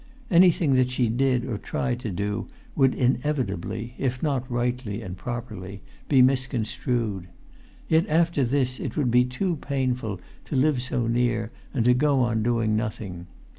Anything that she did, or tried to do, would inevitably, if not rightly and properly, be misconstrued. Yet, after this, it would be too painful to live so near and to go on doing nothing.